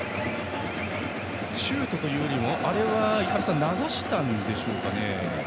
シュートというよりもあれは流したんでしょうかね。